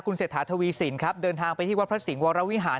เศรษฐาทวีสินครับเดินทางไปที่วัดพระสิงห์วรวิหาร